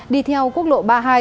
đi theo quốc lộ ba hai